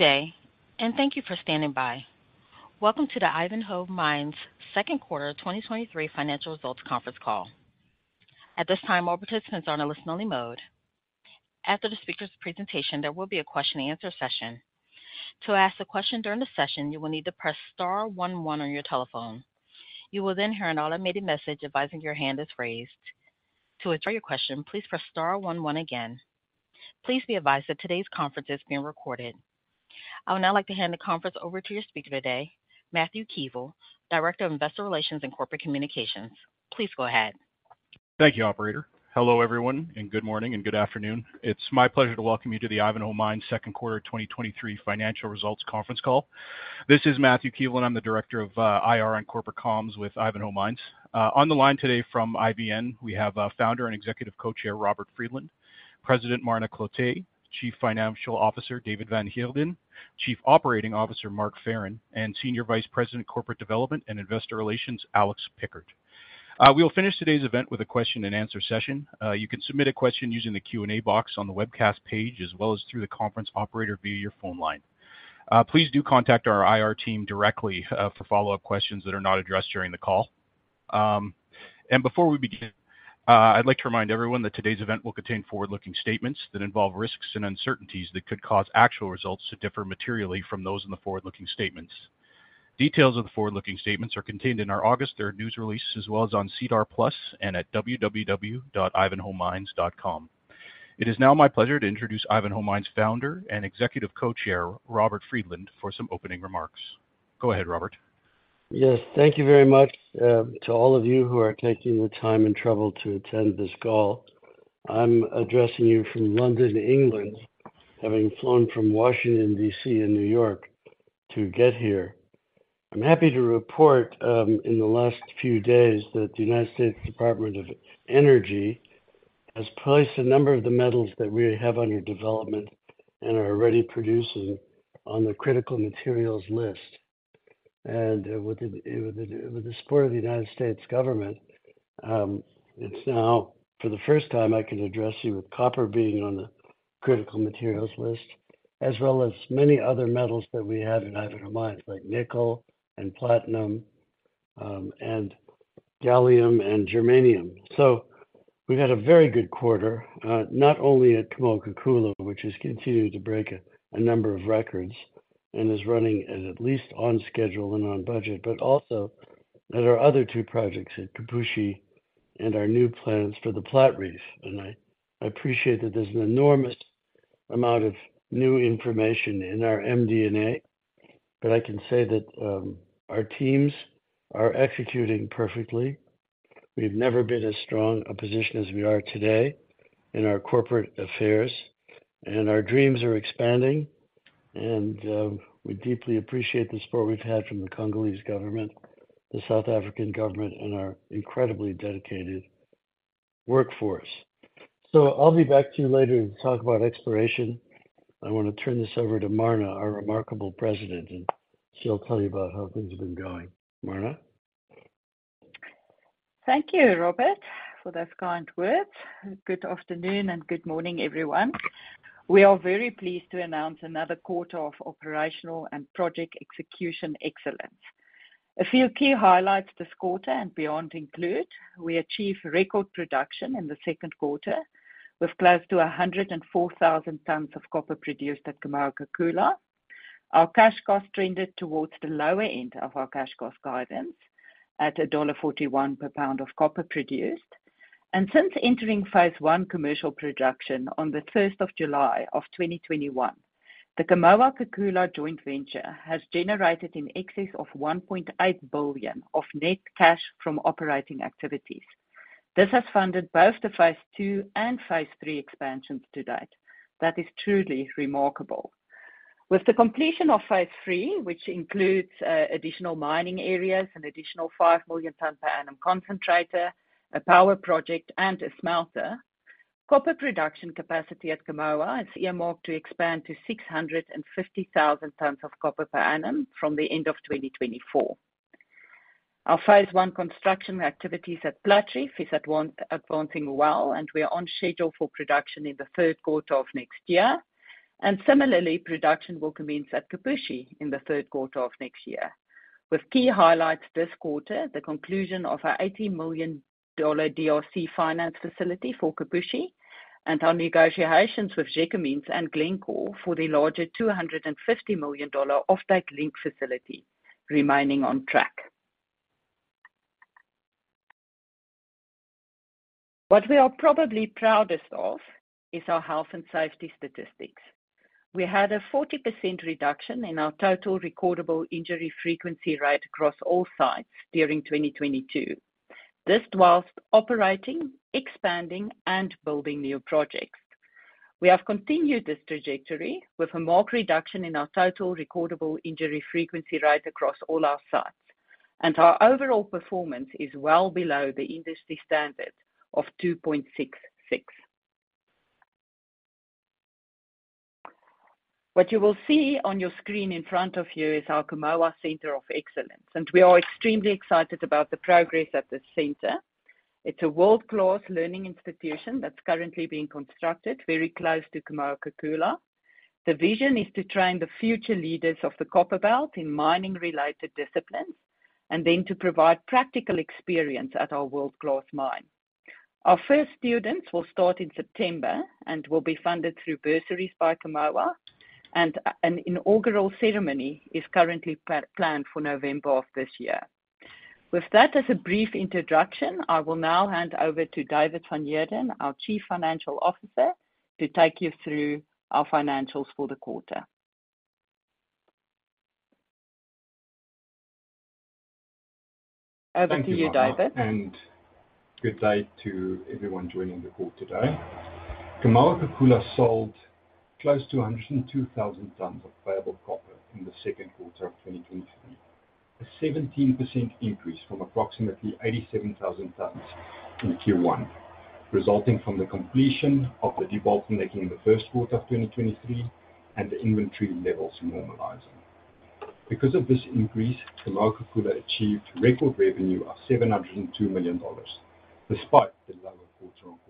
Good day, thank you for standing by. Welcome to the Ivanhoe Mines Second Quarter 2023 Financial Results Conference Call. At this time, all participants are in a listen-only mode. After the speaker's presentation, there will be a question-and-answer session. To ask a question during the session, you will need to press star one one on your telephone. You will then hear an automated message advising your hand is raised. To withdraw your question, please press star one one again. Please be advised that today's conference is being recorded. I would now like to hand the conference over to your speaker today, Matthew Keevil, Director of Investor Relations and Corporate Communications. Please go ahead. Thank you, operator. Hello, everyone, good morning and good afternoon. It's my pleasure to welcome you to the Ivanhoe Mines second quarter 2023 financial results conference call. This is Matthew Keevil, I'm the Director of IR and Corporate Comms with Ivanhoe Mines. On the line today from IBN, we have our Founder and Executive Co-Chair, Robert Friedland, President, Marna Cloete, Chief Financial Officer, David van Heerden, Chief Operating Officer, Mark Farren, and Senior Vice President, Corporate Development and Investor Relations, Alex Pickard. We will finish today's event with a question and answer session. You can submit a question using the Q&A box on the webcast page, as well as through the conference operator via your phone line. Please do contact our IR team directly for follow-up questions that are not addressed during the call. Before we begin, I'd like to remind everyone that today's event will contain forward-looking statements that involve risks and uncertainties that could cause actual results to differ materially from those in the forward-looking statements. Details of the forward-looking statements are contained in our August 3rd news release, as well as on SEDAR+ and at www.ivanhoemines.com. It is now my pleasure to introduce Ivanhoe Mines Founder and Executive Co-Chair, Robert Friedland, for some opening remarks. Go ahead, Robert. Yes, thank you very much to all of you who are taking the time and trouble to attend this call. I'm addressing you from London, England, having flown from Washington D.C. and New York to get here. I'm happy to report, in the last few days that the United States Department of Energy has placed a number of the metals that we have under development and are already producing on the critical materials list. With the support of the United States government, it's now for the first time, I can address you with copper being on the critical materials list, as well as many other metals that we have in Ivanhoe Mines, like nickel and platinum, and gallium and germanium. We've had a very good quarter, not only at Kamoa-Kakula, which has continued to break a, a number of records and is running at least on schedule and on budget, but also at our other two projects at Kipushi and our new plans for the Platreef. I, I appreciate that there's an enormous amount of new information in our MD&A, but I can say that our teams are executing perfectly. We've never been as strong a position as we are today in our corporate affairs, and our dreams are expanding, and we deeply appreciate the support we've had from the Congolese government, the South African government, and our incredibly dedicated workforce. I'll be back to you later to talk about exploration. I want to turn this over to Marna, our remarkable president, and she'll tell you about how things have been going. Marna? Thank you, Robert, for those kind words. Good afternoon and good morning, everyone. We are very pleased to announce another quarter of operational and project execution excellence. A few key highlights this quarter and beyond include, we achieved record production in the second quarter with close to 104,000 tons of copper produced at Kamoa-Kakula. Our cash cost trended towards the lower end of our cash cost guidance at $1.41 per pound of copper produced. Since entering Phase I commercial production on July 1, 2021, the Kamoa-Kakula joint venture has generated in excess of $1.8 billion of net cash from operating activities. This has funded both the Phase II and Phase III expansions to date. That is truly remarkable. With the completion of phase three, which includes additional mining areas, an additional five million tons per annum concentrator, a power project, and a smelter, copper production capacity at Kamoa is earmarked to expand to 650,000 tons of copper per annum from the end of 2024. Our phase one construction activities at Platreef is advancing well, we are on schedule for production in the third quarter of next year. Similarly, production will commence at Kipushi in the third quarter of next year. With key highlights this quarter, the conclusion of our $80 million DRC finance facility for Kipushi and our negotiations with Gécamines and Glencore for the larger $250 million off-take link facility remaining on track. What we are probably proudest of is our health and safety statistics. We had a 40% reduction in our total recordable injury frequency rate across all sites during 2022. This whilst operating, expanding, and building new projects. We have continued this trajectory with a marked reduction in our total recordable injury frequency rate across all our sites, and our overall performance is well below the industry standard of 2.66. What you will see on your screen in front of you is our Kamoa Centre of Excellence, and we are extremely excited about the progress at this center. It's a world-class learning institution that's currently being constructed very close to Kamoa Kakula. The vision is to train the future leaders of the Copperbelt in mining-related disciplines, and then to provide practical experience at our world-class mine. Our first students will start in September and will be funded through bursaries by Kamoa. An inaugural ceremony is currently planned for November of this year. With that as a brief introduction, I will now hand over to David van Heerden, our Chief Financial Officer, to take you through our financials for the quarter. Over to you, David. Thank you, Marna Cloete, and good day to everyone joining the call today. Kamoa-Kakula sold close to 102,000 tons of payable copper in the second quarter of 2023, a 17% increase from approximately 87,000 tons in Q1, resulting from the completion of the de-bottlenecking in the first quarter of 2023 and the inventory levels normalizing. Because of this increase, Kamoa-Kakula achieved record revenue of $702 million, despite the lower quarter-on-quarter price.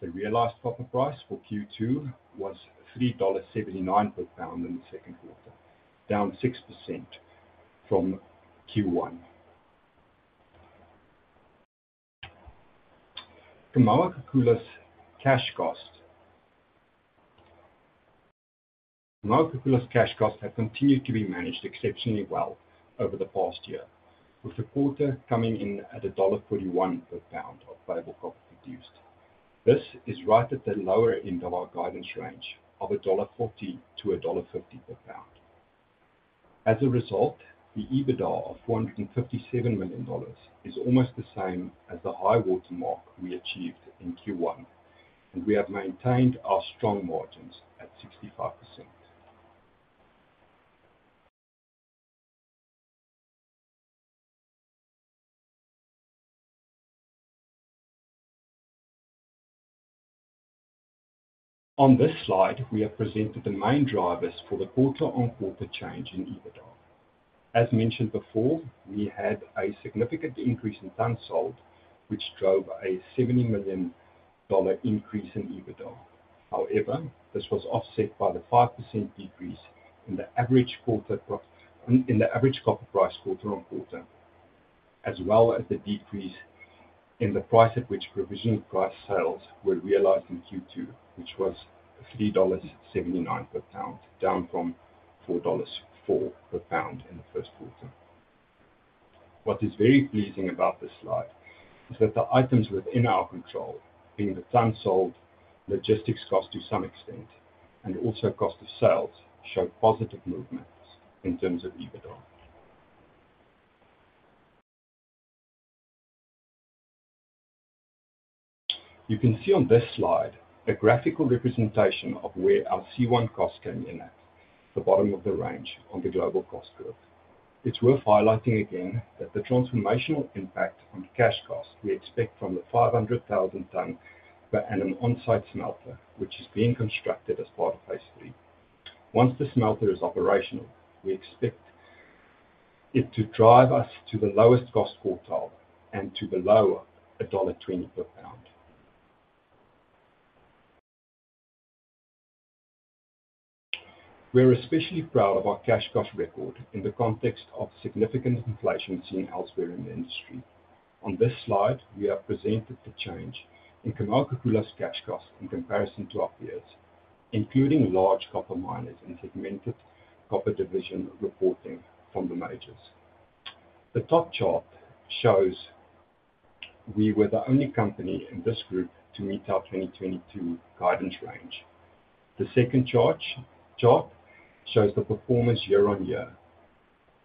The realized copper price for Q2 was $3.79 per pound in the second quarter, down 6% from Q1. Kamoa-Kakula's cash cost. Kamoa-Kakula's cash costs have continued to be managed exceptionally well over the past year, with the quarter coming in at $1.41 per pound of payable copper produced. This is right at the lower end of our guidance range of $1.40-$1.50 per pound. As a result, the EBITDA of $457 million is almost the same as the high-water mark we achieved in Q1, and we have maintained our strong margins at 65%. On this slide, we have presented the main drivers for the quarter-on-quarter change in EBITDA. As mentioned before, we had a significant increase in tons sold, which drove a $70 million increase in EBITDA. However, this was offset by the 5% decrease in the average copper price quarter-on-quarter, as well as the decrease in the price at which provisional price sales were realized in Q2, which was $3.79 per pound, down from $4.04 per pound in the first quarter. What is very pleasing about this slide is that the items within our control, being the tons sold, logistics cost to some extent, and also cost of sales, showed positive movements in terms of EBITDA. You can see on this slide a graphical representation of where our C1 cost came in at, the bottom of the range on the global cost curve. It's worth highlighting again that the transformational impact on cash costs we expect from the 500,000 ton per annum on-site smelter, which is being constructed as part of Phase III. Once the smelter is operational, we expect it to drive us to the lowest cost quartile and to below $1.20 per pound. We're especially proud of our cash cost record in the context of significant inflation seen elsewhere in the industry. On this slide, we have presented the change in Kamoa-Kakula's cash cost in comparison to our peers, including large copper miners and segmented copper division reporting from the majors. The top chart shows we were the only company in this group to meet our 2022 guidance range. The second chart shows the performance year-on-year.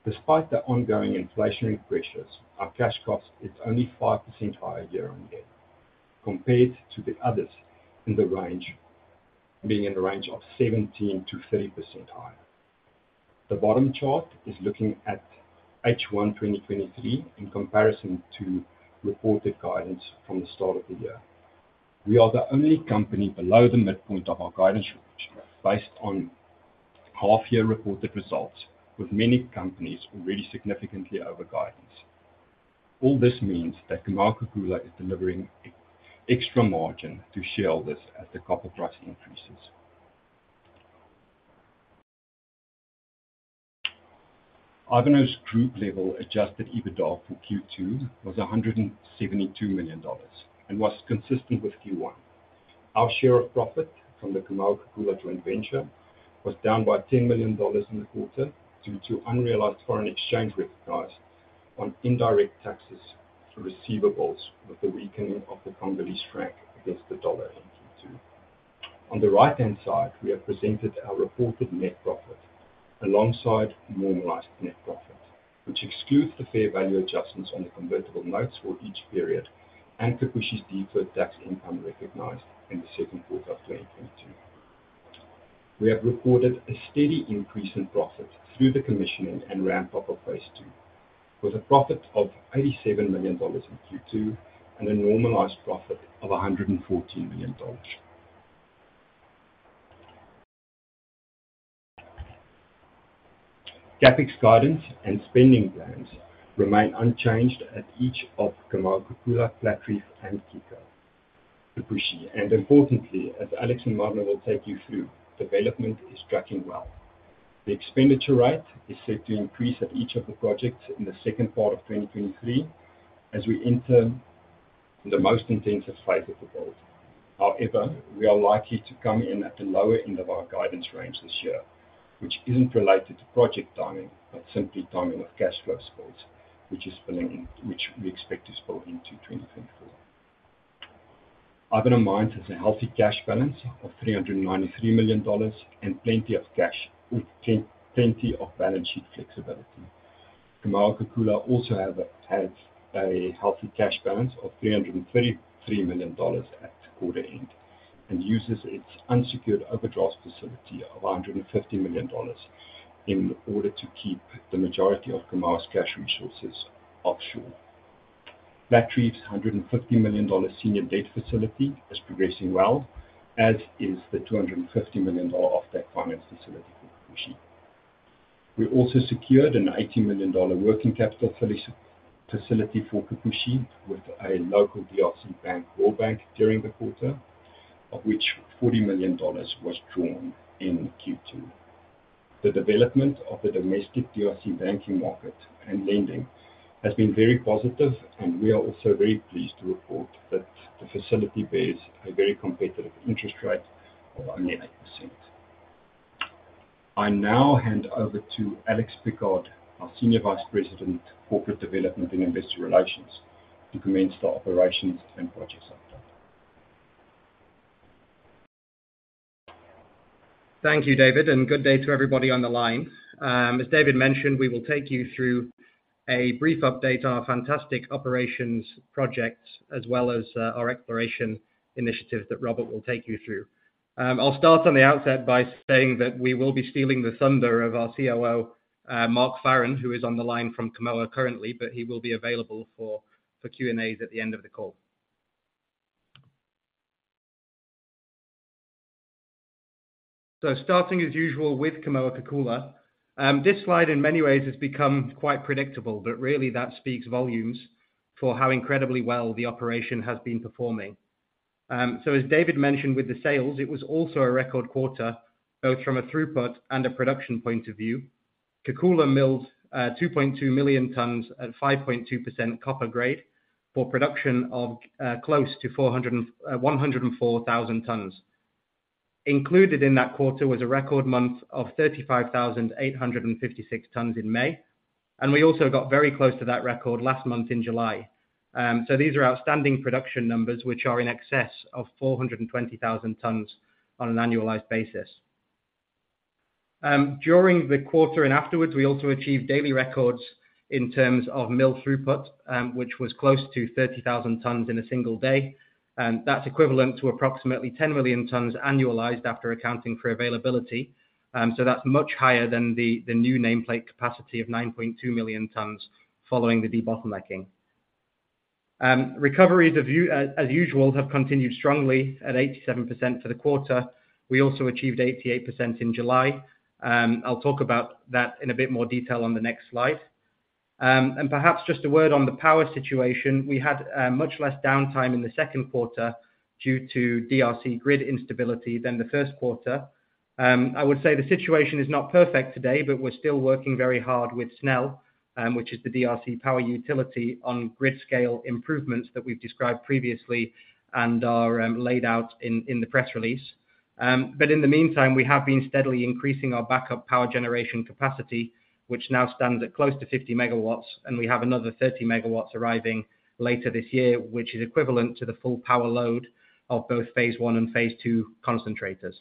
Despite the ongoing inflationary pressures, our cash cost is only 5% higher year-on-year, compared to the others in the range, being in the range of 17%-30% higher. The bottom chart is looking at H1 2023 in comparison to reported guidance from the start of the year. We are the only company below the midpoint of our guidance, based on half-year reported results, with many companies already significantly over guidance. All this means that Kamoa-Kakula is delivering extra margin to shareholders as the copper price increases. Ivanhoe's group-level adjusted EBITDA for Q2 was $172 million and was consistent with Q1. Our share of profit from the Kamoa-Kakula joint venture was down by $10 million in the quarter due to unrealized foreign exchange recognized on indirect taxes to receivables, with the weakening of the Congolese franc against the dollar in Q2. On the right-hand side, we have presented our reported net profit alongside normalized net profit, which excludes the fair value adjustments on the convertible notes for each period, and Kipushi's deferred tax income recognized in the second quarter of 2022. We have recorded a steady increase in profit through the commissioning and ramp-up of Phase II, with a profit of $87 million in Q2 and a normalized profit of $114 million. CapEx guidance and spending plans remain unchanged at each of Kamoa-Kakula, Platreef, and Kipushi. Importantly, as Alex and Marna will take you through, development is tracking well. The expenditure rate is set to increase at each of the projects in the second part of 2023, as we enter the most intensive phase of the build. However, we are likely to come in at the lower end of our guidance range this year, which isn't related to project timing, but simply timing of cash flow spikes, which is spilling in, which we expect to spill into 2024. Other in mind is a healthy cash balance of $393 million, and plenty of cash, with plenty of balance sheet flexibility. Kamoa-Kakula also has a healthy cash balance of $333 million at quarter end, and uses its unsecured overdraft facility of $150 million in order to keep the majority of Kamoa's cash resources offshore. Platreef's $150 million senior debt facility is progressing well, as is the $250 million of that finance facility for Kipushi. We also secured an $80 million working capital facility for Kipushi, with a local DRC bank, Rawbank, during the quarter, of which $40 million was drawn in Q2. The development of the domestic DRC banking market and lending has been very positive. We are also very pleased to report that the facility bears a very competitive interest rate of only 8%. I now hand over to Alex Pickard, our Senior Vice President, Corporate Development and Investor Relations, to commence the operations and project update. Thank you, David, and good day to everybody on the line. As David mentioned, we will take you through a brief update on our fantastic operations projects, as well as our exploration initiatives that Robert will take you through. I'll start on the outset by saying that we will be stealing the thunder of our COO, Mark Farren, who is on the line from Kamoa currently, but he will be available for Q&As at the end of the call. Starting as usual with Kamoa-Kakula, this slide, in many ways, has become quite predictable, but really that speaks volumes for how incredibly well the operation has been performing. As David mentioned with the sales, it was also a record quarter, both from a throughput and a production point of view. Kakula milled 2.2 million tons at 5.2% copper grade, for production of close to 104,000 tons. Included in that quarter was a record month of 35,856 tons in May, and we also got very close to that record last month in July. These are outstanding production numbers, which are in excess of 420,000 tons on an annualized basis. During the quarter and afterwards, we also achieved daily records in terms of mill throughput, which was close to 30,000 tons in a single day. That's equivalent to approximately 10 million tons annualized after accounting for availability. That's much higher than the, the new nameplate capacity of 9.2 million tons, following the debottlenecking. Recoveries have continued strongly at 87% for the quarter. We also achieved 88% in July. I'll talk about that in a bit more detail on the next slide. And perhaps just a word on the power situation: We had much less downtime in the second quarter due to DRC grid instability than the first quarter. I would say the situation is not perfect today, but we're still working very hard with SNEL, which is the DRC power utility, on grid scale improvements that we've described previously and are laid out in the press release. In the meantime, we have been steadily increasing our backup power generation capacity, which now stands at close to 50 MW, and we have another 30 MW arriving later this year, which is equivalent to the full power load of both phase one and phase two concentrators.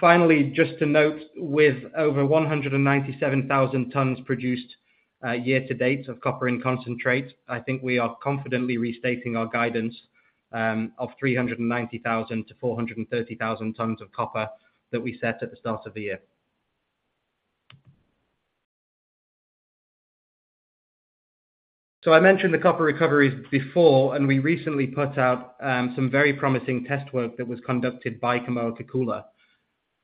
Finally, just to note, with over 197,000 tons produced, year to date of copper and concentrate, I think we are confidently restating our guidance, of 390,000-430,000 tons of copper that we set at the start of the year. I mentioned the copper recoveries before, and we recently put out, some very promising test work that was conducted by Kamoa-Kakula.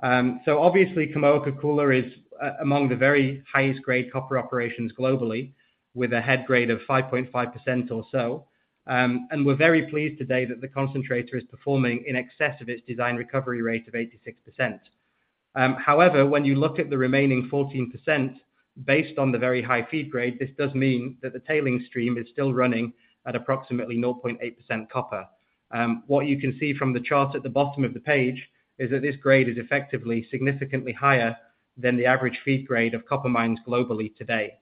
Obviously, Kamoa-Kakula is among the very highest grade copper operations globally, with a head grade of 5.5% or so. We're very pleased today that the concentrator is performing in excess of its design recovery rate of 86%. However, when you look at the remaining 14%, based on the very high feed grade, this does mean that the tailing stream is still running at approximately 0.8% copper. What you can see from the chart at the bottom of the page is that this grade is effectively, significantly higher than the average feed grade of copper mines globally today.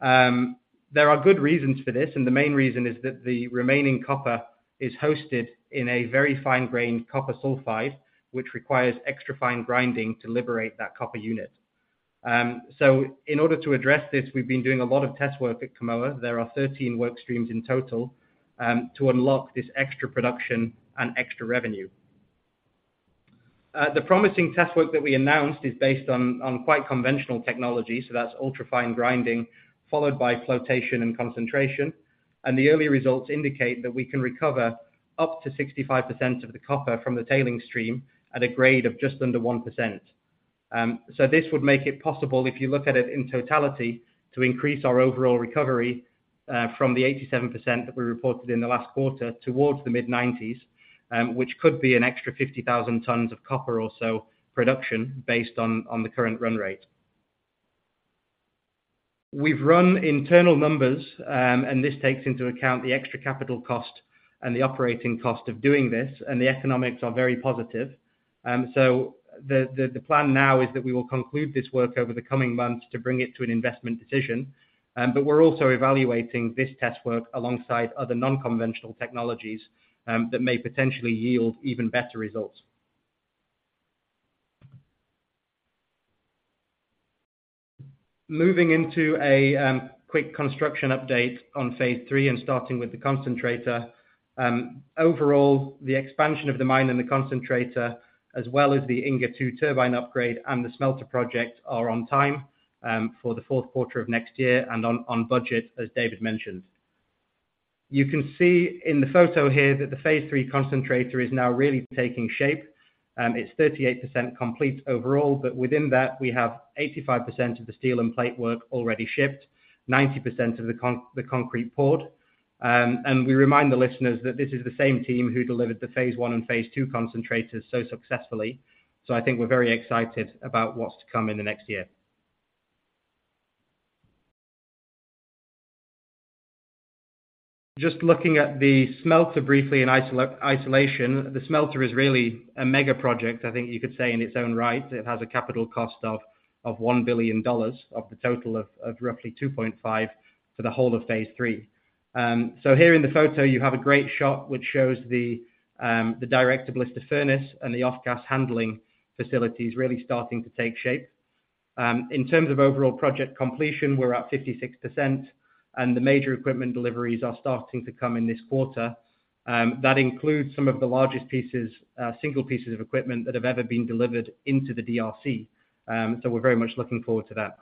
There are good reasons for this, the main reason is that the remaining copper is hosted in a very fine-grained copper sulfide, which requires extra fine grinding to liberate that copper unit. In order to address this, we've been doing a lot of test work at Kamoa. There are 13 work streams in total to unlock this extra production and extra revenue. The promising test work that we announced is based on quite conventional technology, so that's ultra-fine grinding, followed by flotation and concentration. The early results indicate that we can recover up to 65% of the copper from the tailing stream at a grade of just under 1%. This would make it possible, if you look at it in totality, to increase our overall recovery from the 87% that we reported in the last quarter towards the mid-90s, which could be an extra 50,000 tons of copper or so production based on the current run rate. We've run internal numbers, and this takes into account the extra capital cost and the operating cost of doing this, and the economics are very positive. The, the, the plan now is that we will conclude this work over the coming months to bring it to an investment decision. We're also evaluating this test work alongside other non-conventional technologies that may potentially yield even better results. Moving into a quick construction update on Phase III and starting with the concentrator. Overall, the expansion of the mine and the concentrator, as well as the Inga II turbine upgrade and the smelter project, are on time for the fourth quarter of next year and on, on budget, as David mentioned. You can see in the photo here that the Phase III concentrator is now really taking shape. It's 38% complete overall, but within that, we have 85% of the steel and plate work already shipped, 90% of the concrete poured. We remind the listeners that this is the same team who delivered the Phase I and Phase II concentrators so successfully. I think we're very excited about what's to come in the next year. Just looking at the smelter briefly in isolation. The smelter is really a mega project, I think you could say, in its own right. It has a capital cost of $1 billion, of the total of roughly $2.5 billion for the whole of Phase III. Here in the photo you have a great shot, which shows the direct blister furnace and the off-gas handling facilities really starting to take shape. In terms of overall project completion, we're at 56%, and the major equipment deliveries are starting to come in this quarter. That includes some of the largest pieces, single pieces of equipment that have ever been delivered into the DRC. We're very much looking forward to that.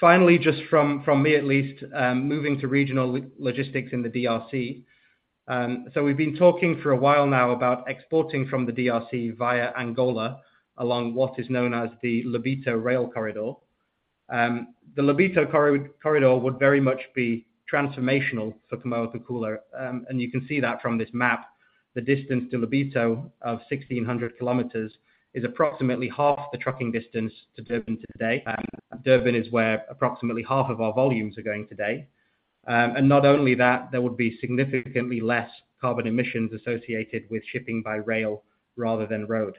Finally, just from, from me at least, moving to regional logistics in the DRC. We've been talking for a while now about exporting from the DRC via Angola, along what is known as the Lobito Rail Corridor. The Lobito Corridor would very much be transformational for Kamoa Kakula. You can see that from this map, the distance to Lobito of 1,600 km is approximately half the trucking distance to Durban today. Durban is where approximately half of our volumes are going today. Not only that, there would be significantly less carbon emissions associated with shipping by rail rather than road.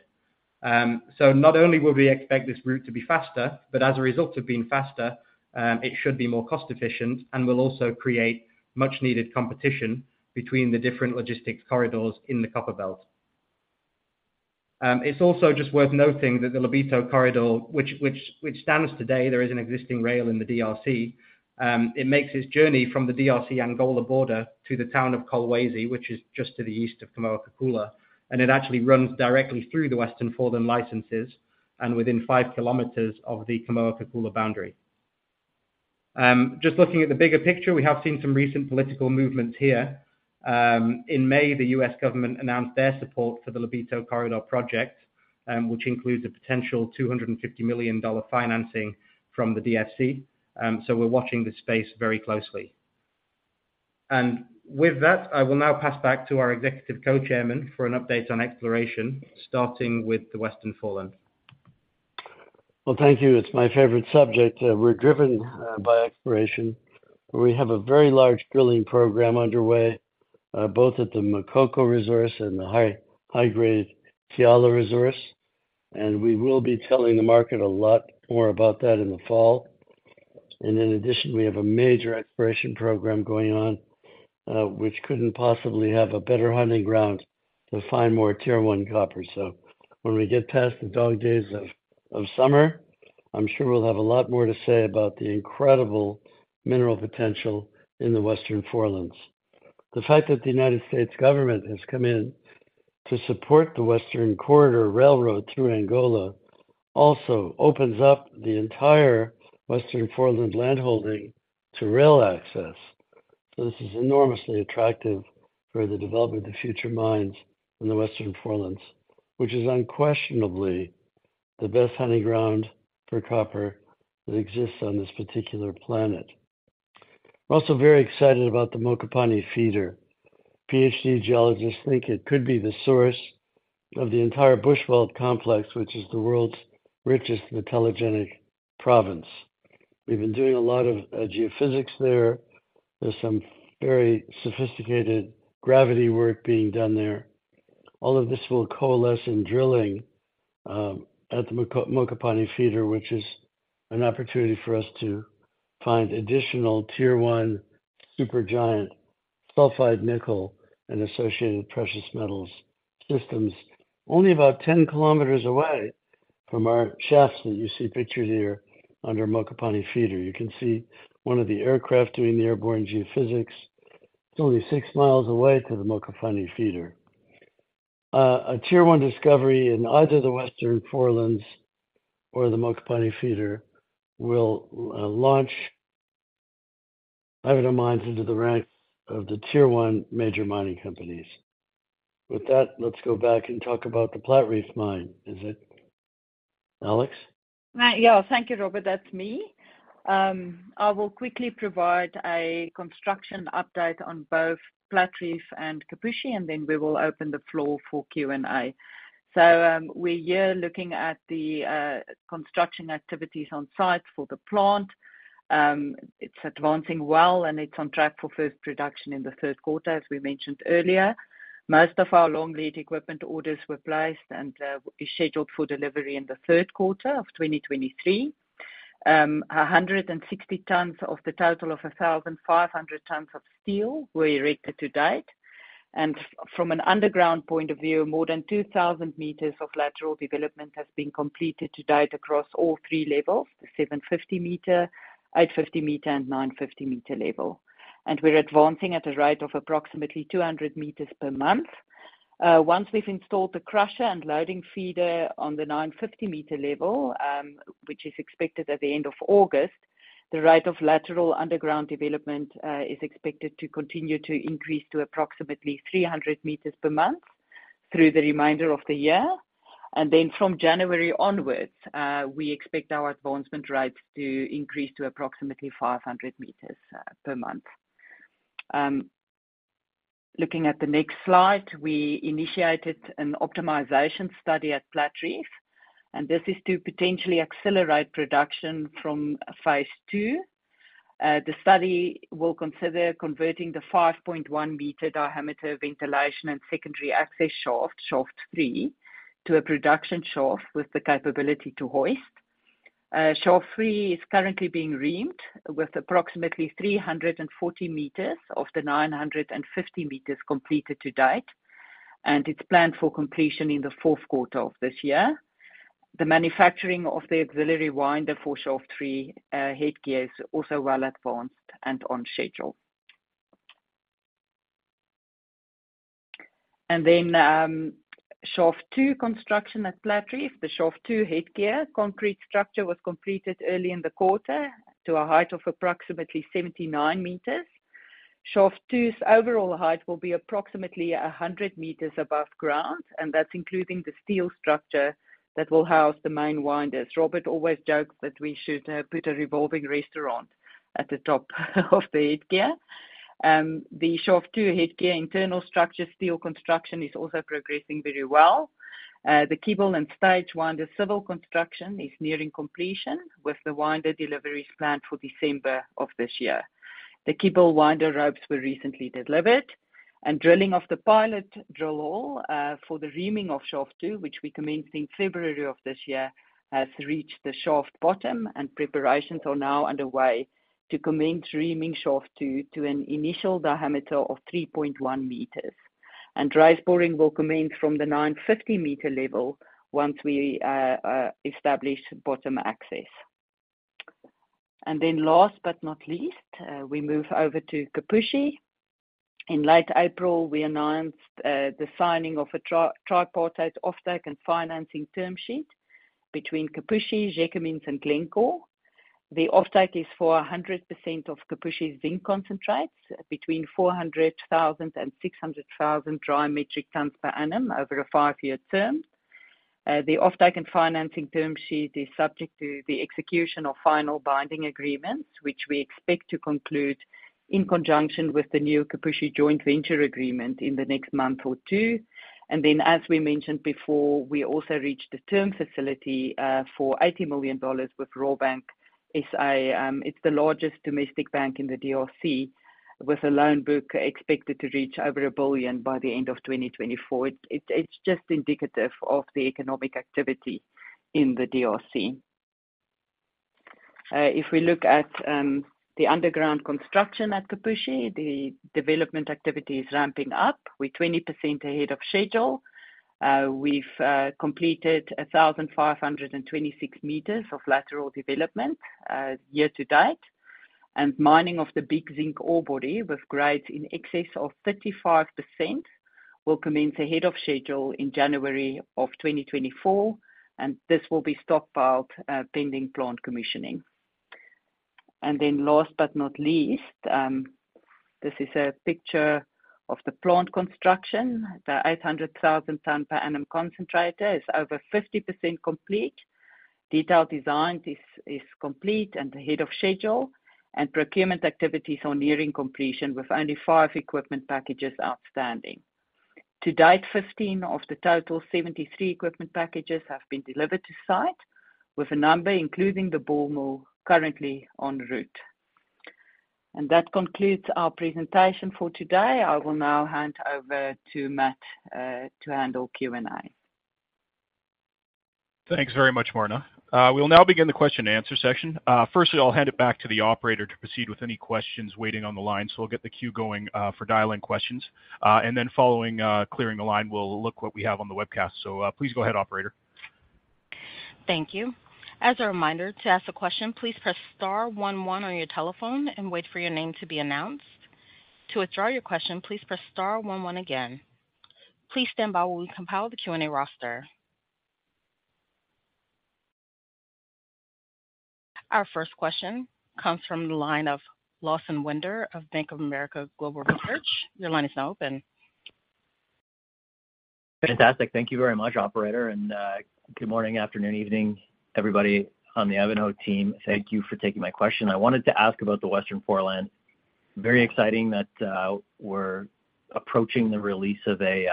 Not only will we expect this route to be faster, but as a result of being faster, it should be more cost efficient and will also create much needed competition between the different logistics corridors in the Copperbelt. It's also just worth noting that the Lobito Corridor, which, which, which stands today, there is an existing rail in the DRC. It makes its journey from the DRC-Angola border to the town of Kolwezi, which is just to the east of Kamoa-Kakula, and it actually runs directly through the Western Foreland licenses and within 5kw of the Kamoa-Kakula boundary. Just looking at the bigger picture, we have seen some recent political movements here. In May, the U.S. government announced their support for the Lobito Corridor, which includes a potential $250 million financing from the DFC. We're watching this space very closely. With that, I will now pass back to our Executive Co-Chairman for an update on exploration, starting with the Western Foreland. Well, thank you. It's my favorite subject. We're driven by exploration, where we have a very large drilling program underway, both at the Makoko resource and the high, high-grade Kiala resource, and we will be telling the market a lot more about that in the fall. In addition, we have a major exploration program going on, which couldn't possibly have a better hunting ground to find more Tier one copper. When we get past the dog days of, of summer, I'm sure we'll have a lot more to say about the incredible mineral potential in the Western Forelands. The fact that the U.S. government has come in to support the Western Corridor Railroad through Angola, also opens up the entire Western Foreland landholding to rail access. This is enormously attractive for the development of future mines in the Western Forelands, which is unquestionably the best hunting ground for copper that exists on this particular planet. We're also very excited about the Mokopane Feeder. PhD geologists think it could be the source of the entire Bushveld complex, which is the world's richest metallogenic province. We've been doing a lot of geophysics there. There's some very sophisticated gravity work being done there. All of this will coalesce in drilling at the Mokopane Feeder, which is an opportunity for us to find additional Tier one supergiant sulfide, nickel, and associated precious metals systems. Only about 10 kilometers away from our Shafts, that you see pictured here under Mokopane Feeder. You can see one of the aircraft doing the airborne geophysics. It's only 6 miles away to the Mokopane Feeder. A tier one discovery in either the Western Forelands or the Mokopane Feeder will launch Ivanhoe Mines into the ranks of the tier one major mining companies. With that, let's go back and talk about the Platreef mine. Is it Alex? Yeah, thank you, Robert. That's me. I will quickly provide a construction update on both Platreef and Kipushi, then we will open the floor for Q&A. We're here looking at the construction activities on site for the plant. It's advancing well, it's on track for first production in the third quarter, as we mentioned earlier. Most of our long-lead equipment orders were placed, is scheduled for delivery in the third quarter of 2023. 160 tons of the total of 1,500 tons of steel were erected to date. From an underground point of view, more than 2,000 meters of lateral development has been completed to date across all three levels, the 750 meter, 850 meter, and 950 meter level. We're advancing at a rate of approximately 200 meters per month. Once we've installed the crusher and loading feeder on the 950 meter level, which is expected at the end of August, the rate of lateral underground development is expected to continue to increase to approximately 300 meters per month through the remainder of the year. From January onwards, we expect our advancement rates to increase to approximately 500 meters per month. Looking at the next slide, we initiated an optimization study at Platreef, this is to potentially accelerate production from Phase II. The study will consider converting the 5.1-meter diameter ventilation and secondary access Shaft, Shaft #3, to a production Shaft with the capability to hoist. Shaft #3 is currently being reamed, with approximately 340 meters of the 950 meters completed to date, and it's planned for completion in the fourth quarter of this year. The manufacturing of the auxiliary winder for Shaft #3 headgear is also well advanced and on schedule. Shaft #2 construction at Platreef. The Shaft #2 headgear concrete structure was completed early in the quarter to a height of approximately 79 meters. Shaft #2's overall height will be approximately 100 meters above ground, and that's including the steel structure that will house the main winders. Robert always jokes that we should put a revolving restaurant at the top of the headgear. The Shaft #2 headgear internal structure steel construction is also progressing very well. The cable and stage winder civil construction is nearing completion, with the winder delivery planned for December of this year. The cable winder ropes were recently delivered, and drilling of the pilot drill hole for the reaming of Shaft #2, which we commenced in February of this year, has reached the Shaft bottom, and preparations are now underway to commence reaming Shaft #2 to an initial diameter of 3.1 meters. Raise boring will commence from the 950-meter level once we establish bottom access. Last but not least, we move over to Kipushi. In late April, we announced the signing of a tripartite offtake and financing term sheet between Kipushi, Gécamines, and Glencore. The offtake is for 100% of Kipushi's zinc concentrates between 400,000 and 600,000 dry metric tons per annum over a five year term. The offtake and financing term sheet is subject to the execution of final binding agreements, which we expect to conclude in conjunction with the new Kipushi joint venture agreement in the next month or two. As we mentioned before, we also reached a term facility for $80 million with Rawbank S.A. It's the largest domestic bank in the DRC, with a loan book expected to reach over $1 billion by the end of 2024. It's, it's just indicative of the economic activity in the DRC. If we look at the underground construction at Kipushi, the development activity is ramping up. We're 20% ahead of schedule. We've completed 1,526 meters of lateral development year to date. Mining of the big zinc ore body, with grades in excess of 35%, will commence ahead of schedule in January of 2024, and this will be stockpiled pending plant commissioning. Last but not least, this is a picture of the plant construction. The 800,000 ton per annum concentrator is over 50% complete. Detailed design is complete and ahead of schedule, and procurement activities are nearing completion, with only five equipment packages outstanding. To date, 15 of the total 73 equipment packages have been delivered to site, with a number, including the ball mill, currently en route. That concludes our presentation for today. I will now hand over to Matt to handle Q&A. Thanks very much, Marna. We will now begin the question and answer session. Firstly, I'll hand it back to the operator to proceed with any questions waiting on the line. We'll get the queue going for dial-in questions. Following clearing the line, we'll look what we have on the webcast. Please go ahead, operator. Thank you. As a reminder, to ask a question, please press star one one on your telephone and wait for your name to be announced. To withdraw your question, please press star one one again. Please stand by while we compile the Q&A roster. Our first question comes from the line of Lawson Winder of Bank of America Global Research. Your line is now open. Fantastic. Thank you very much, operator. Good morning, afternoon, evening, everybody on the Ivanhoe team. Thank you for taking my question. I wanted to ask about the Western Foreland. Very exciting that we're approaching the release of a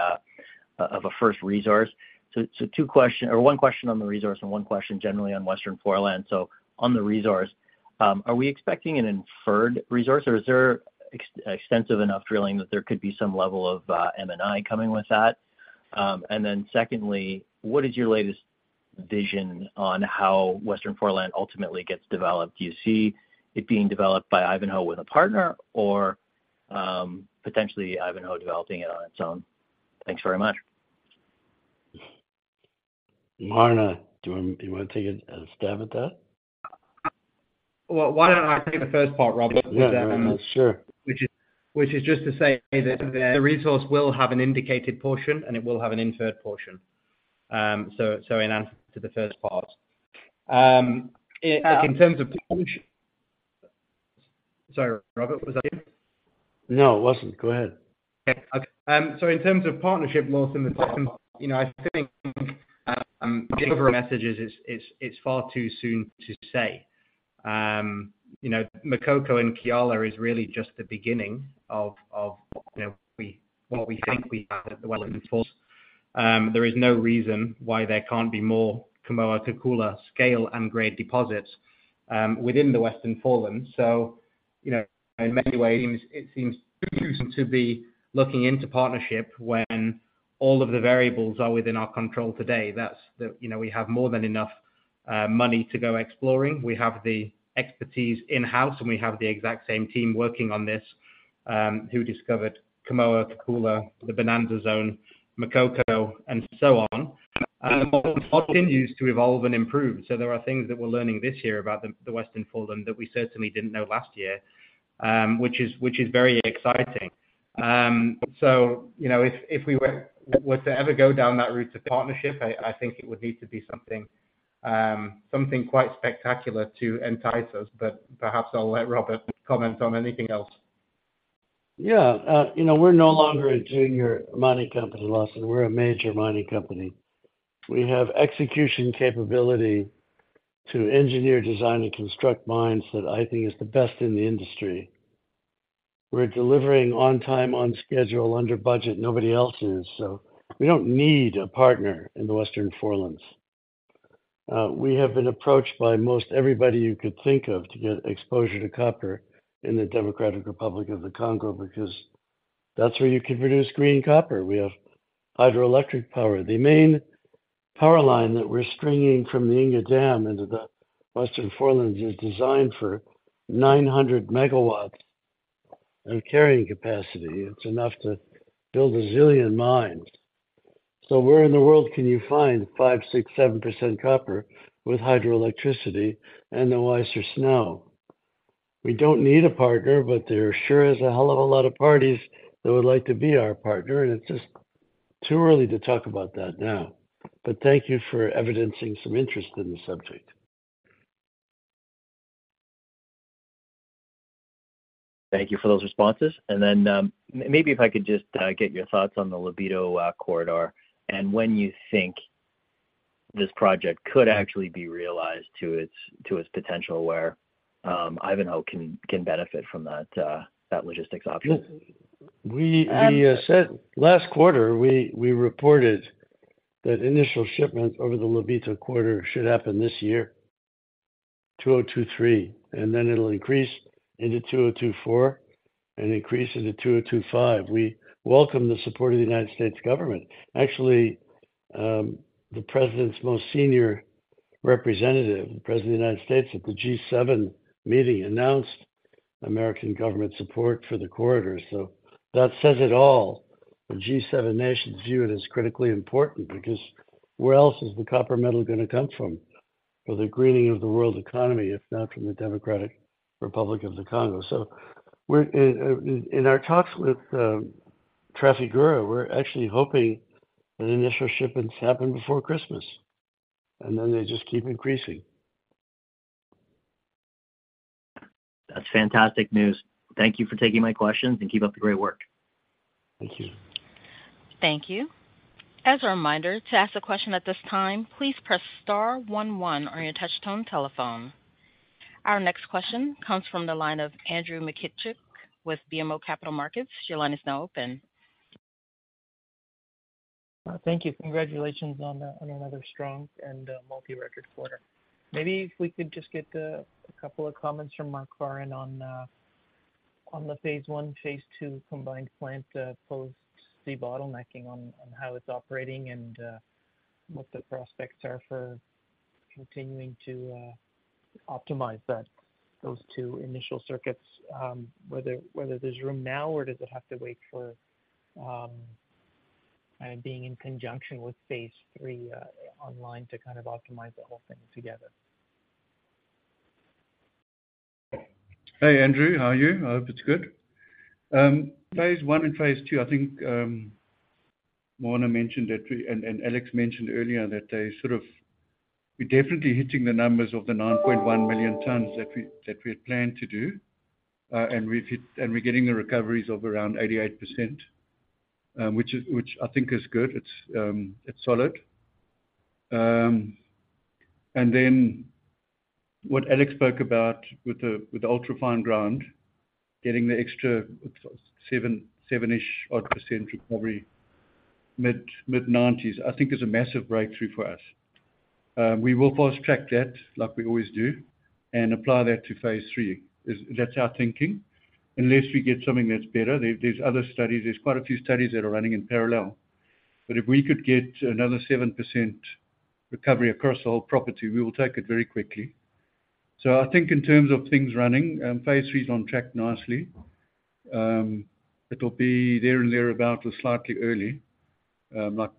first resource. Two questions, or one question on the resource and one question generally on Western Foreland. On the resource, are we expecting an inferred resource, or is there extensive enough drilling that there could be some level of M&I coming with that? Then secondly, what is your latest vision on how Western Foreland ultimately gets developed? Do you see it being developed by Ivanhoe with a partner or potentially Ivanhoe developing it on its own? Thanks very much. Marna, do you want, do you want to take a, a stab at that? Well, why don't I take the first part, Robert? Yeah, yeah, sure. Which is, which is just to say that the resource will have an indicated portion, and it will have an inferred portion. So, so in answer to the first part. In, in terms of... Sorry, Robert, was that you? No, it wasn't. Go ahead. Okay. In terms of partnership, Lawson, the second part, you know, I think, the overall message is, it's far too soon to say. You know, Makoko and Kiala is really just the beginning of, you know, we, what we think we have at the Western Foreland. There is no reason why there can't be more Kamoa-Kakula scale and grade deposits within the Western Foreland. You know, in many ways, it seems too soon to be looking into partnership when all of the variables are within our control today. That's the, you know, we have more than enough money to go exploring. We have the expertise in-house, and we have the exact same team working on this who discovered Kamoa, Kakula, the Bonanza Zone, Makoko, and so on. Continues to evolve and improve. There are things that we're learning this year about the, the Western Foreland that we certainly didn't know last year, which is, which is very exciting. So, you know, if, if we were, were to ever go down that route to partnership, I, I think it would need to be something, something quite spectacular to entice us, but perhaps I'll let Robert comment on anything else. Yeah, you know, we're no longer a junior mining company, Lawson. We're a major mining company. We have execution capability to engineer, design, and construct mines that I think is the best in the industry. We're delivering on time, on schedule, under budget, nobody else is. We don't need a partner in the Western Forelands. We have been approached by most everybody you could think of to get exposure to copper in the Democratic Republic of the Congo, because that's where you can produce green copper. We have hydroelectric power. The main power line that we're stringing from the Inga Dam into the Western Foreland is designed for 900 MW of carrying capacity. It's enough to build a zillion mines. Where in the world can you find 5%, 6%, 7% copper with hydroelectricity and no ice or snow? We don't need a partner, but there sure is a hell of a lot of parties that would like to be our partner, and it's just too early to talk about that now. Thank you for evidencing some interest in the subject. Thank you for those responses. Then, maybe if I could just get your thoughts on the Lobito Corridor, and when you think this project could actually be realized to its, to its potential, where Ivanhoe can, can benefit from that logistics option. We, we said last quarter, we, we reported that initial shipments over the Lobito Corridor should happen this year, 2023, and then it'll increase into 2024 and increase into 2025. We welcome the support of the U.S. government. Actually, the president's most senior representative, the President of the U.S., at the G7 meeting, announced U.S. government support for the corridor, so that says it all. The G7 nations view it as critically important because where else is the copper metal going to come from for the greening of the world economy, if not from the Democratic Republic of the Congo? We're, in, in our talks with Trafigura, we're actually hoping that initial shipments happen before Christmas, and then they just keep increasing. That's fantastic news. Thank you for taking my questions, and keep up the great work. Thank you. Thank you. As a reminder, to ask a question at this time, please press star one one on your touch tone telephone. Our next question comes from the line of Andrew Mikitchook with BMO Capital Markets. Your line is now open. Thank you. Congratulations on another strong and multi-record quarter. Maybe if we could just get a couple of comments from Mark Farren on the phase one, phase two combined plant, post de-bottlenecking, on how it's operating and what the prospects are for continuing to optimize that, those two initial circuits, whether there's room now, or does it have to wait for? Being in conjunction with phase three online to kind of optimize the whole thing together. Hey, Andrew. How are you? I hope it's good. Phase I and Phase II, I think, Marna mentioned and Alex mentioned earlier that they sort of. We're definitely hitting the numbers of the 9.1 million tons that we had planned to do. We're getting the recoveries of around 88%, which I think is good. It's solid. Then what Alex spoke about with the ultra-fine grinding, getting the extra 7-ish % recovery, mid-90s, I think is a massive breakthrough for us. We will fast-track that like we always do and apply that to Phase III. That's our thinking, unless we get something that's better. There's other studies, there's quite a few studies that are running in parallel. If we could get another 7% recovery across the whole property, we will take it very quickly. I think in terms of things running, Phase III is on track nicely. It'll be there and thereabout or slightly early. Like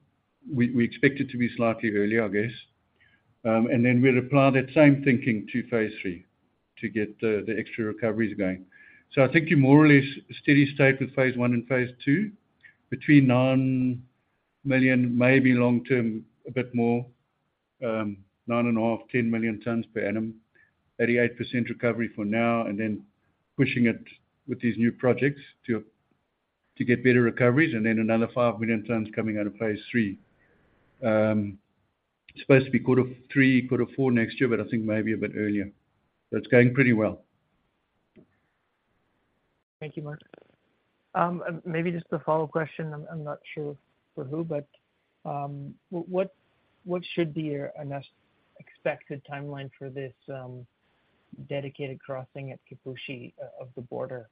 we, we expect it to be slightly early, I guess. And then we'll apply that same thinking to Phase III to get the, the extra recoveries going. I think you more or less steady state with Phase I and Phase II, between nine million, maybe long-term, a bit more, 9.5-10 million tons per annum, 88% recovery for now, and then pushing it with these new projects to, to get better recoveries, and then another six million tons coming out of Phase III. It's supposed to be quarter three, quarter four next year, but I think maybe a bit earlier. It's going pretty well. Thank you, Mark. Maybe just a follow-up question, I'm, I'm not sure for who, but, what, what should be your an expected timeline for this, dedicated crossing at Kipushi, of the border?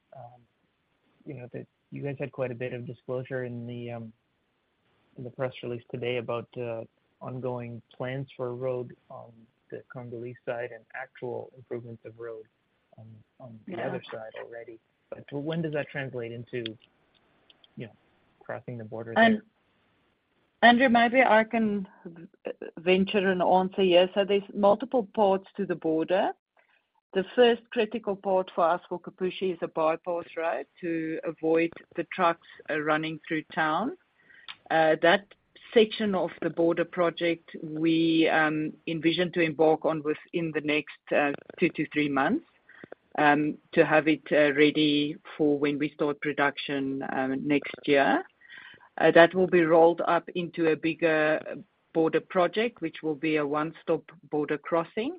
You know, that you guys had quite a bit of disclosure in the, in the press release today about, ongoing plans for a road on the Congolese side and actual improvements of road on, on the other side already. When does that translate into, you know, crossing the border? Andrew, maybe I can venture an answer here. There's multiple parts to the border. The first critical part for us, for Kipushi, is a bypass road to avoid the trucks running through town. That section of the border project we envision to embark on within the next two to three months, to have it ready for when we start production next year. That will be rolled up into a bigger border project, which will be a one-stop border crossing.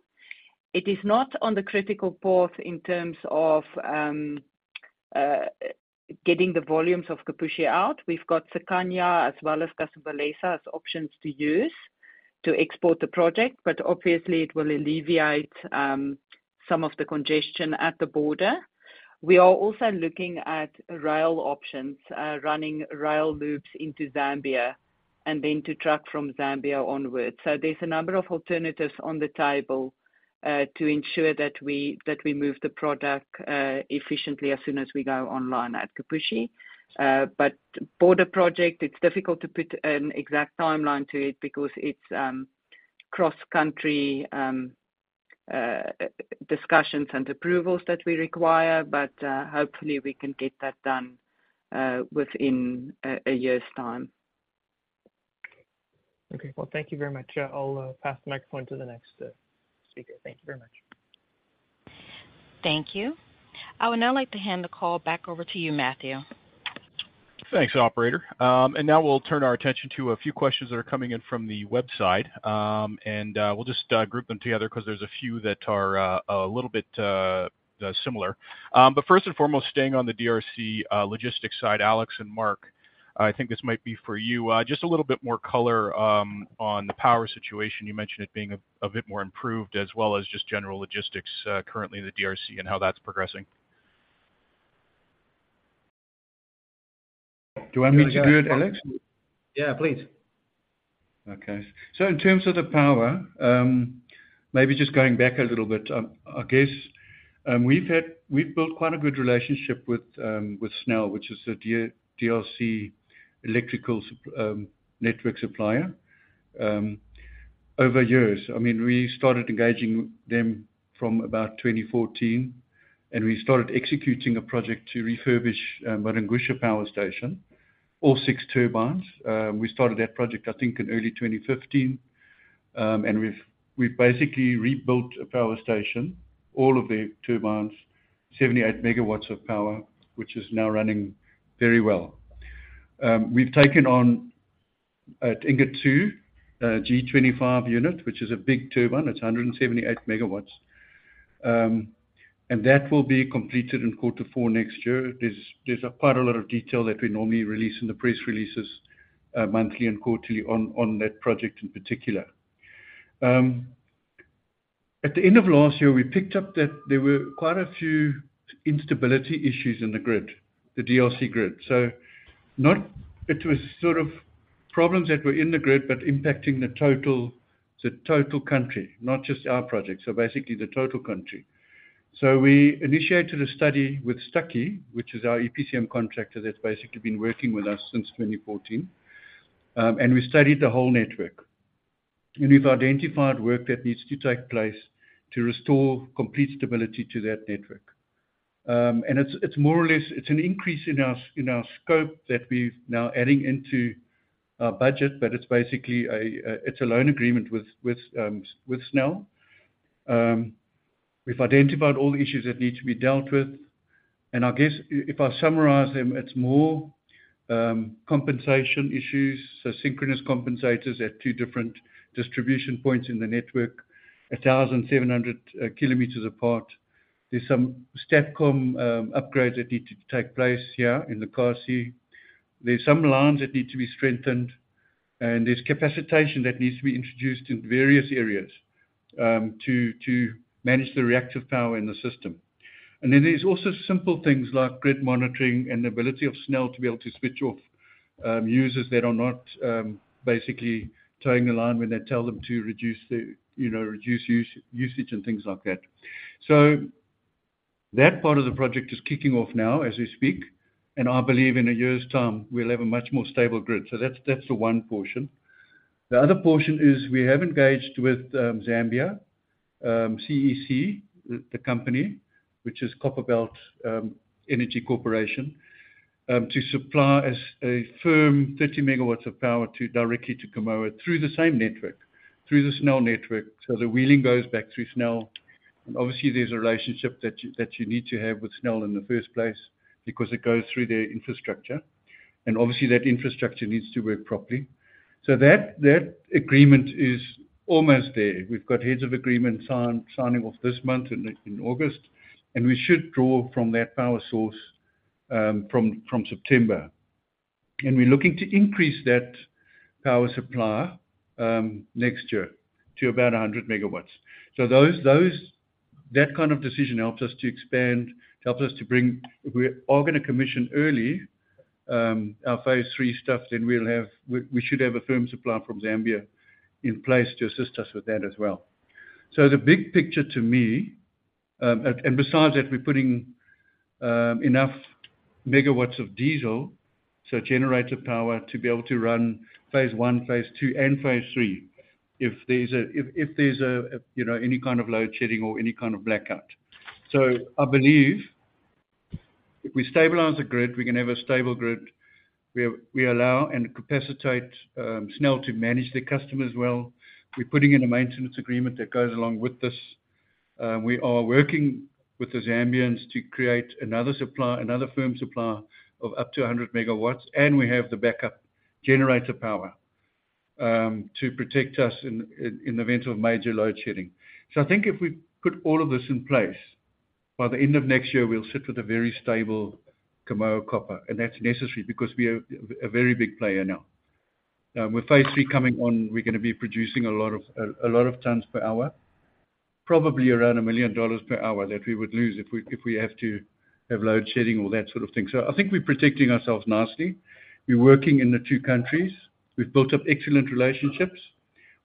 It is not on the critical path in terms of getting the volumes of Kipushi out. We've got Sakania, as well as Kasumbalesa, as options to use to export the project, obviously it will alleviate some of the congestion at the border. We are also looking at rail options, running rail loops into Zambia and then to truck from Zambia onwards. There's a number of alternatives on the table to ensure that we, that we move the product efficiently as soon as we go online at Kipushi. Border project, it's difficult to put an exact timeline to it because it's cross-country discussions and approvals that we require, but hopefully we can get that done within a year's time. Okay. Well, thank you very much. I'll pass the microphone to the next speaker. Thank you very much. Thank you. I would now like to hand the call back over to you, Matthew. Thanks, operator. Now we'll turn our attention to a few questions that are coming in from the website. We'll just group them together because there's a few that are a little bit similar. First and foremost, staying on the DRC logistics side, Alex and Mark, I think this might be for you. Just a little bit more color on the power situation. You mentioned it being a bit more improved, as well as just general logistics currently in the DRC and how that's progressing. Do you want me to do it, Alex? Yeah, please. Okay. In terms of the power, maybe just going back a little bit, I guess, we've built quite a good relationship with SNEL, which is the DRC electrical network supplier, over years. I mean, we started engaging them from about 2014, we started executing a project to refurbish Mwadingusha Hydroelectric Power Station, all six turbines. We started that project, I think, in early 2015. We've basically rebuilt a power station, all of the turbines, 78 megawatts of power, which is now running very well. We've taken on at Inga II, a G25 unit, which is a big turbine. It's 178 megawatts. That will be completed in quarter four next year. There's, there's quite a lot of detail that we normally release in the press releases, monthly and quarterly on, on that project in particular. At the end of last year, we picked up that there were quite a few instability issues in the grid, the DRC grid. Not... It was sort of problems that were in the grid, but impacting the total-... the total country, not just our project, basically the total country. We initiated a study with Stucky, which is our EPCM contractor that's basically been working with us since 2014. We studied the whole network, and we've identified work that needs to take place to restore complete stability to that network. It's, it's more or less, it's an increase in our, in our scope that we've now adding into our budget, but it's basically a, it's a loan agreement with, with, with SNEL. We've identified all the issues that need to be dealt with, I guess if I summarize them, it's more, compensation issues, so synchronous compensators at two different distribution points in the network, 1,700 kilometers apart. There's some STATCOM upgrades that need to take place here in the Karshi. There's some lines that need to be strengthened, and there's capacitation that needs to be introduced in various areas, to, to manage the reactive power in the system. Then there's also simple things like grid monitoring and the ability of SNEL to be able to switch off users that are not basically towing the line when they tell them to reduce the, you know, reduce usage and things like that. That part of the project is kicking off now as we speak, and I believe in a year's time we'll have a much more stable grid. That's, that's the one portion. The other portion is we have engaged with Zambia, CEC, the company, which is Copperbelt Energy Corporation, to supply us a firm 30 megawatts of power to directly to Kamoa through the same network, through the SNEL network. The wheeling goes back through SNEL, and obviously there's a relationship that you, that you need to have with SNEL in the first place because it goes through their infrastructure, and obviously that infrastructure needs to work properly. That, that agreement is almost there. We've got heads of agreement signing off this month in August, and we should draw from that power source from September. We're looking to increase that power supply next year to about 100 megawatts. That kind of decision helps us to expand, helps us to bring if we are gonna commission early, our phase three stuff, then we should have a firm supply from Zambia in place to assist us with that as well. The big picture to me. Besides that, we're putting enough megawatts of diesel, so generator power, to be able to run Phase I, Phase II, and Phase III. If there's a, you know, any kind of load shedding or any kind of blackout. I believe if we stabilize the grid, we can have a stable grid, we, we allow and capacitate SNEL to manage their customers well. We're putting in a maintenance agreement that goes along with this. We are working with the Zambians to create another supply, another firm supply of up to 100 megawatts, and we have the backup generator power to protect us in the event of major load shedding. I think if we put all of this in place, by the end of next year, we'll sit with a very stable Kamoa Copper, and that's necessary because we are a very big player now. With Phase III coming on, we're gonna be producing a lot of, a lot of tons per hour, probably around $1 million per hour that we would lose if we, if we have to have load shedding or that sort of thing. I think we're protecting ourselves nicely. We're working in the two countries. We've built up excellent relationships.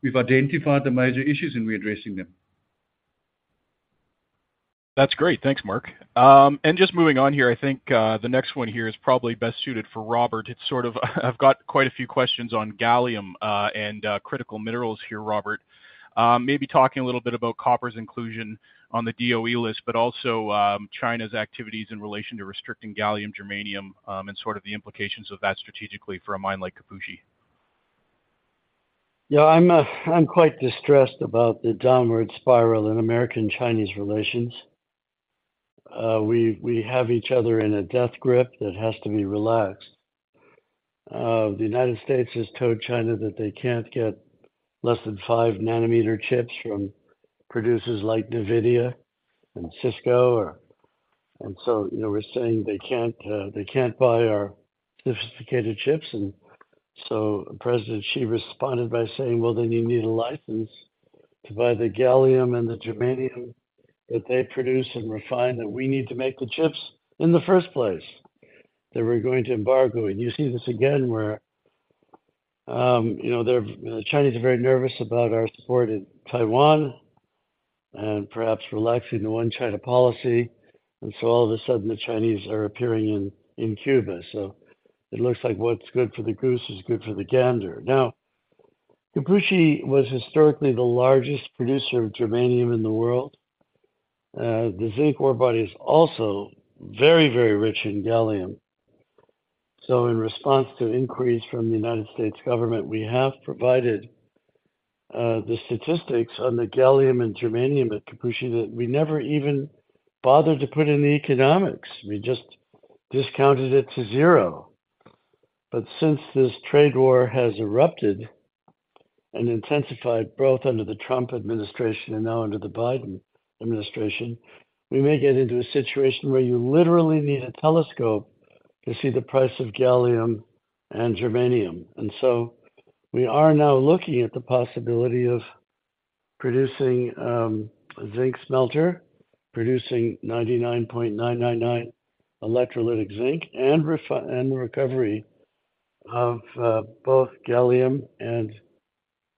We've identified the major issues, and we're addressing them. That's great. Thanks, Mark. Just moving on here, I think, the next one here is probably best suited for Robert. It's sort of, I've got quite a few questions on gallium, and critical minerals here, Robert. Maybe talking a little bit about copper's inclusion on the DOE list, but also, China's activities in relation to restricting gallium, germanium, and sort of the implications of that strategically for a mine like Kipushi. Yeah, I'm, I'm quite distressed about the downward spiral in American-Chinese relations. We, we have each other in a death grip that has to be relaxed. The U.S. has told China that they can't get less than five nanometer chips from producers like NVIDIA and Cisco or... So, you know, we're saying they can't, they can't buy our sophisticated chips. So President Xi responded by saying, "Well, then you need a license to buy the gallium and the germanium that they produce and refine, that we need to make the chips in the first place, that we're going to embargo." You see this again, where, you know, the Chinese are very nervous about our support in Taiwan and perhaps relaxing the One-China policy, and so all of a sudden, the Chinese are appearing in, in Cuba. It looks like what's good for the goose is good for the gander. Now, Kipushi was historically the largest producer of germanium in the world. The zinc ore body is also very, very rich in gallium. In response to inquiries from the United States government, we have provided the statistics on the gallium and germanium at Kipushi that we never even bothered to put in the economics. We just discounted it to 0. Since this trade war has erupted and intensified, both under the Trump administration and now under the Biden administration, we may get into a situation where you literally need a telescope to see the price of gallium and germanium. We are now looking at the possibility of. producing zinc smelter, producing 99.999 electrolytic zinc and recovery of both gallium and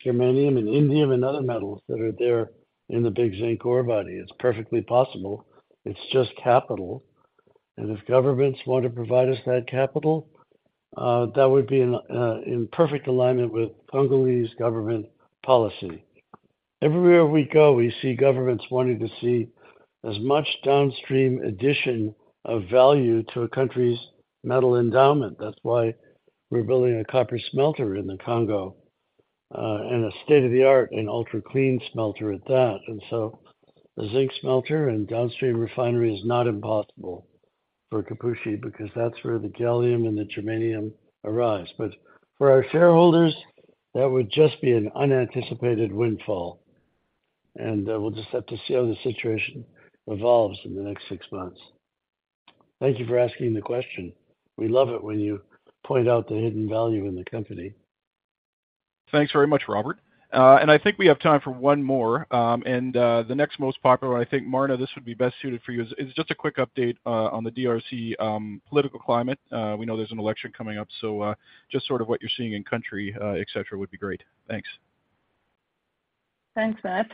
germanium and indium and other metals that are there in the big zinc ore body. It's perfectly possible, it's just capital. If governments want to provide us that capital, that would be in perfect alignment with Congolese government policy. Everywhere we go, we see governments wanting to see as much downstream addition of value to a country's metal endowment. That's why we're building a copper smelter in the Congo, and a state-of-the-art and ultra clean smelter at that. So the zinc smelter and downstream refinery is not impossible for Kipushi, because that's where the gallium and the germanium arise. For our shareholders, that would just be an unanticipated windfall, and we'll just have to see how the situation evolves in the next six months. Thank you for asking the question. We love it when you point out the hidden value in the company. Thanks very much, Robert. And I think we have time for one more. The next most popular, I think, Marna, this would be best suited for you, is just a quick update on the DRC political climate. We know there's an election coming up, so just sort of what you're seeing in country, et cetera, would be great. Thanks. Thanks, Matt.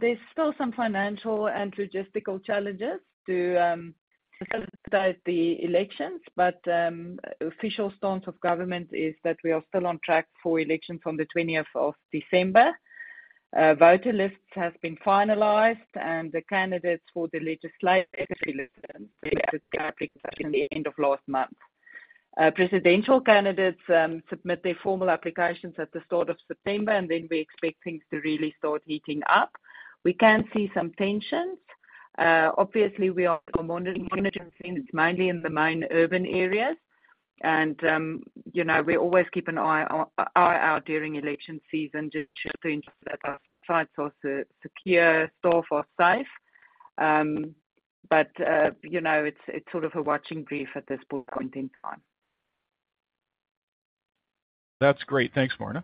There's still some financial and logistical challenges to facilitate the elections, but official stance of government is that we are still on track for elections on the 20th of December. Voter lists have been finalized, and the candidates for the legislative election at the end of last month. Presidential candidates submit their formal applications at the start of September, then we expect things to really start heating up. We can see some tensions. Obviously, we are still monitoring things, mainly in the main urban areas. You know, we always keep an eye on, eye out during election season just to ensure that our sites are secure, staff are safe. You know, it's, it's sort of a watching brief at this point in time. That's great. Thanks, Marna.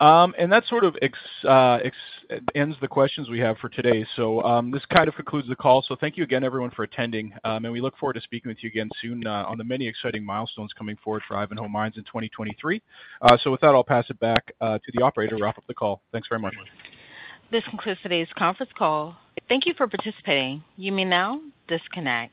That sort of ends the questions we have for today. This kind of concludes the call. Thank you again, everyone, for attending, and we look forward to speaking with you again soon on the many exciting milestones coming forward for Ivanhoe Mines in 2023. With that, I'll pass it back to the operator to wrap up the call. Thanks very much. This concludes today's conference call. Thank you for participating. You may now disconnect.